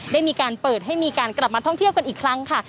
ได้มีการเปิดให้มีการกลับมาท่องเที่ยวกันอีกครั้งค่ะ